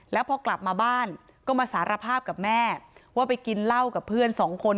แล้วพอกลับมาบ้านก็มาสารภาพกับแม่ว่าไปกินเหล้ากับเพื่อนสองคน